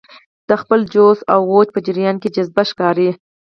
د خپل جوش او اوج په جریان کې جذابه ښکاري.